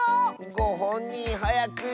ごほんにんはやく。